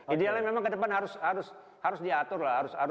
idealnya memang ke depan harus diatur lah